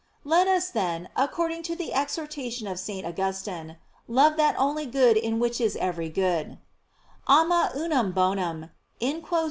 Let us, then, according to the exhortation of St. Augustine, love that only good in which is every good: "Ama unum bonum, in quo sunt omnia * Ap.